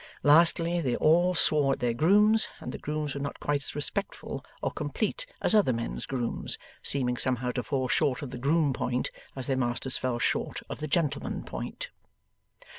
Lastly, they all swore at their grooms, and the grooms were not quite as respectful or complete as other men's grooms; seeming somehow to fall short of the groom point as their masters fell short of the gentleman point.